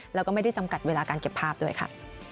แล้วก็ไม่ได้จำกัดเวลาการเก็บภาพด้วยค่ะ